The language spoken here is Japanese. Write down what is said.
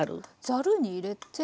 ざるに入れて。